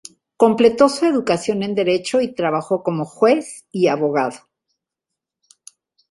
Completó su educación en Derecho y trabajó como juez y abogado.